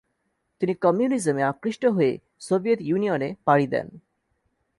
তিনি কমিউনিজমে আকৃষ্ট হয়ে সোভিয়েত ইউনিয়নে পাড়ি দেন।